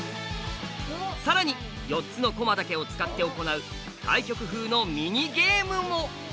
さらに４つの駒だけを使って行う対局風のミニゲームも。